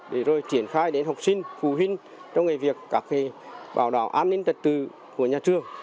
để rồi triển khai đến học sinh phụ huynh trong việc bảo đảo an ninh trật tự của nhà trường